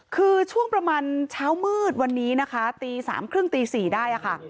คือช่วงประมาณเช้ามืดวันนี้นะคะตี๓๓๐ตี๔ได้ค่ะ